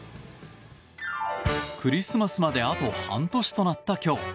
クリスマスまであと半年となった今日。